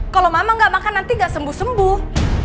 kalau mama nggak makan nanti gak sembuh sembuh